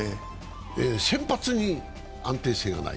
先発に安定性がない？